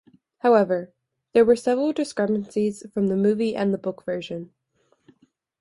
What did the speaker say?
However, there were several discrepancies from the movie and the book version.